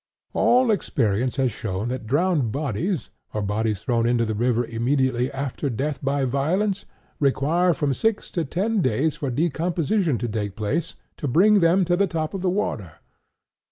All experience has shown that drowned bodies, or bodies thrown into the water immediately after death by violence, require from six to ten days for decomposition to take place to bring them to the top of the water.